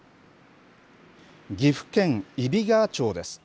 岐阜県揖斐川町です。